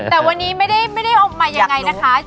แต่วันนี้ไม่ได้เอามายังไงนะคะ